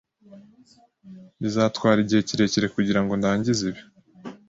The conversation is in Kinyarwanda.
Bizatwara igihe kirekire kugirango ndangize ibi.